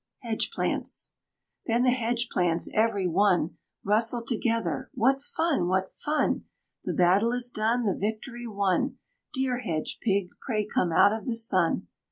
HEDGE PLANTS. Then the Hedge plants every one Rustled together, "What fun! what fun! The battle is done, The victory won. Dear Hedge pig, pray come out of the Sun."